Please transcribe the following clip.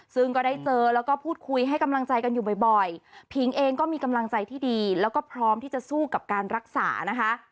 ซึ่งก็ได้เจอแล้วก็พูดคุยให้กำลังใจกันอยู่บ่อยผิงเองก็มีกำลังใจที่ดีแล้วก็พร้อมที่จะสู้กับการรักษานะคะ